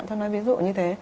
tôi nói ví dụ như thế